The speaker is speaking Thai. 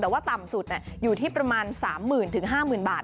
แต่ว่าต่ำสุดอยู่ที่ประมาณ๓๐๐๐๕๐๐บาท